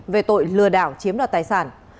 về tội lừa đảo chiếm đoàn